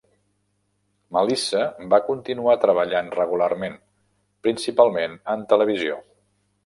Melissa va continuar treballant regularment, principalment en televisió.